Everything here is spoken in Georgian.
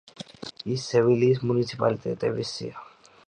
იხ სევილიის მუნიციპალიტეტების სია.